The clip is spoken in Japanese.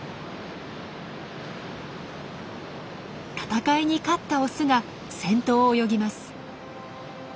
戦いに勝ったオスが先頭を泳ぎます。